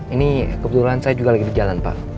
ini kebetulan saya juga lagi di jalan pak